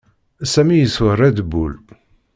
Sami yeswa Red Bull.